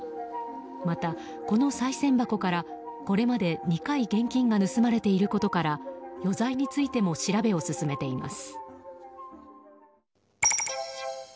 また、このさい銭箱からこれまで２回現金が盗まれていることから余罪についても調べを進めています。